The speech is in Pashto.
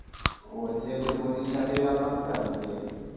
ښوونځی د ښوونیز چاپېریال مرکز دی.